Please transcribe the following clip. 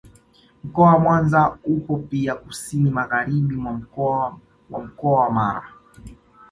Mkoa wa Mwanza upo pia kusini magharibi mwa mkoa wa Mkoa wa Mara